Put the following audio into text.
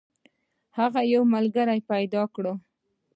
هغه یو ملګری پیدا کړ.